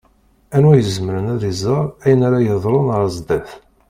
Anwa i izemren ad iẓeṛ ayen ara d-yeḍṛun ar zdat?